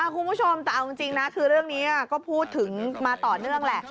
คุณผู้ชมแต่เอาจริงนะคือเรื่องนี้ก็พูดถึงมาต่อเนื่องแหละ